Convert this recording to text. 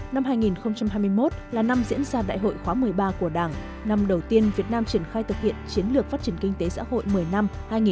năm hai nghìn hai mươi một là năm diễn ra đại hội khóa một mươi ba của đảng năm đầu tiên việt nam triển khai thực hiện chiến lược phát triển kinh tế xã hội một mươi năm hai nghìn hai mươi một hai nghìn ba mươi